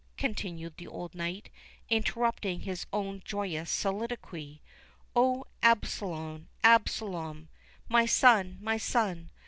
continued the old knight, interrupting his own joyous soliloquy—"Oh, Absalom, Absalom, my son! my son!